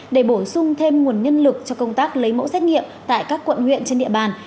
để bổ sung thêm nguồn nhân lực cho công tác lấy mẫu xét nghiệm tại các quận huyện trên địa bàn